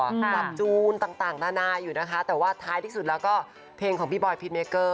ปรับจูนต่างนานาอยู่นะคะแต่ว่าท้ายที่สุดแล้วก็เพลงของพี่บอยพิษเมเกอร์